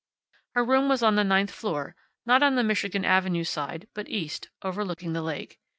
Her room was on the ninth floor, not on the Michigan Avenue side, but east, overlooking the lake.